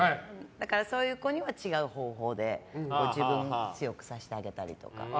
だから、そういう子には違う方法で自分を強くさせてあげたりとか。